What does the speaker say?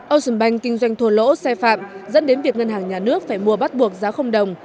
ocean bank kinh doanh thua lỗ xe phạm dẫn đến việc ngân hàng nhà nước phải mua bắt buộc giá đồng